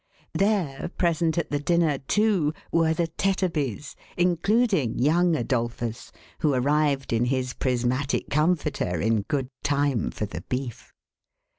There, present at the dinner, too, were the Tetterbys, including young Adolphus, who arrived in his prismatic comforter, in good time for the beef.